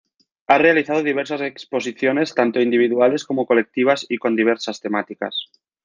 Ha realizado diversas exposiciones tanto individuales como colectivas y con diversas temáticas.